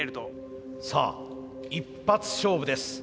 さあ一発勝負です。